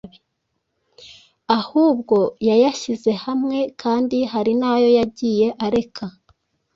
ahubwo yayashyize hamwe. Kandi hari n'ayo yagiye areka,